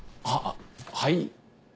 はっはい？